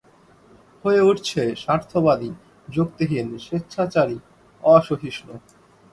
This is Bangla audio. হয়ে উঠছে স্বার্থবাদী, যুক্তিহীন, স্বেচ্ছাচারী, অসহিষ্ণু।